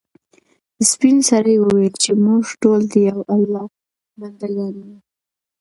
سپین سرې وویل چې موږ ټول د یو الله بنده ګان یو.